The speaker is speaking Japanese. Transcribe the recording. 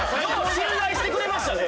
信頼してくれましたね。